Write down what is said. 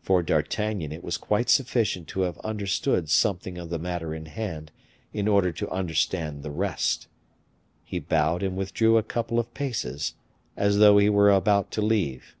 For D'Artagnan it was quite sufficient to have understood something of the matter in hand to order to understand the rest. He bowed and withdrew a couple of paces, as though he were about to leave.